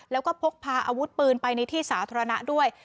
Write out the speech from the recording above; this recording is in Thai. แล้วก็พกพาอาวุธปืนไปในที่สาธารณะด้วย